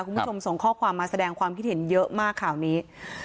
คุณผู้ชมส่งข้อความมาแสดงความคิดเห็นเยอะมากข่าวนี้